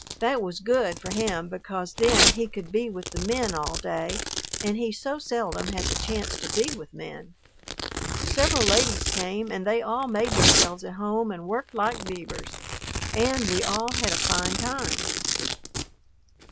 That was good for him because then he could be with the men all day and he so seldom has a chance to be with men. Several ladies came and they all made themselves at home and worked like beavers, and we all had a fine time....